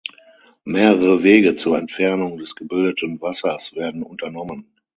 Mehrere Wege zur Entfernung des gebildeten Wassers werden unternommen.